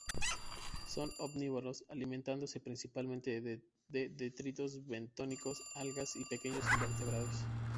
Son omnívoros, alimentándose principalmente de detritos bentónicos, algas y pequeños invertebrados.